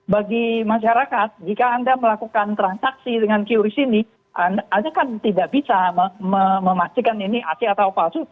bagi masyarakat jika anda melakukan transaksi dengan qris ini anda kan tidak bisa memastikan ini ac atau palsu